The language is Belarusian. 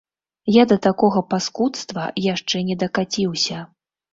Я да такога паскудства яшчэ не дакаціўся.